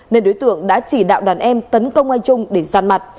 nên đối tượng đã chỉ đạo đàn em tấn công anh trung để sàn mặt